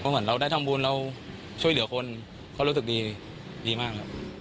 เพราะฉะนั้นเราได้ทำบุญเราช่วยเหลือคนเขารู้สึกดีดีมาก